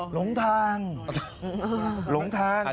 หลงทางหลงทาง